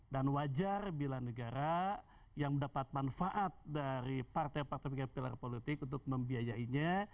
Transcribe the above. dan wajar bila negara yang mendapat manfaat dari partai partai pilar politik untuk membiayainya